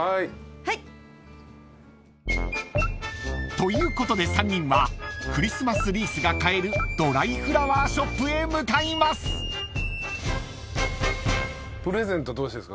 ［ということで３人はクリスマスリースが買えるドライフラワーショップへ向かいます］